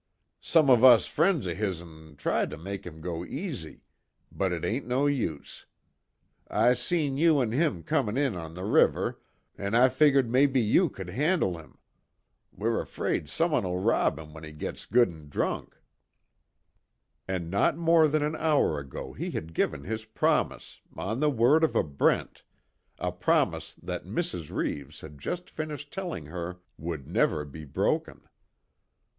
Some of us friends of hisn tried to make him go easy but it ain't no use. I seen you an' him comin' in on the river, an' I figgered mebbe you could handle him. We're afraid someone'll rob him when he gits good an' drunk." And not more than an hour ago he had given his promise on the word of a Brent a promise that Mrs. Reeves had just finished telling her would never be broken.